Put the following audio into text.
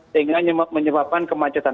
sehingga menyebabkan kemacetan